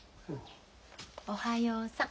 おはようさん。